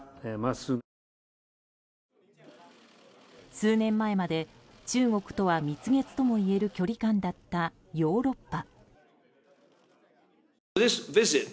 数年前まで中国とは蜜月ともいえる距離感だったヨーロッパ。